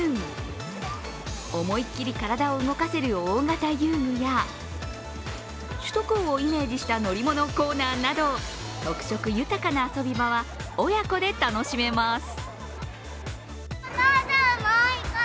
思いっきり体を動かせる大型遊具や首都高をイメージした乗り物コーナーなど特色豊かな遊び場は親子で楽しめます。